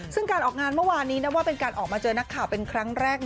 ซึ่งการออกงานเมื่อวานนี้นับว่าเป็นการออกมาเจอนักข่าวเป็นครั้งแรก